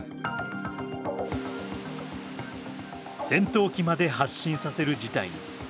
戦闘機まで発進させる事態に。